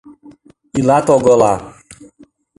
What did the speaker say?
Илат огыла...